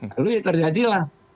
lalu ya terjadilah